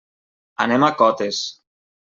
Anem a Cotes.